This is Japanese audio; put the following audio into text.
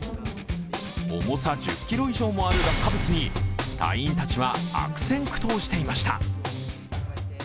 重さ１０ｋｇ以上もある落下物に隊員たちは悪戦苦闘していました。